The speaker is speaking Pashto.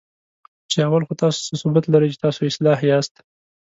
چې اول خو تاسو څه ثبوت لرئ، چې تاسو اصلاح یاست؟